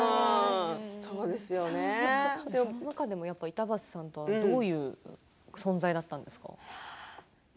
その中でも、やっぱり板橋さんはどういう存在だったんですか？